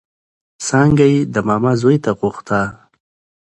څانګه يې د ماما زوی ته غوښته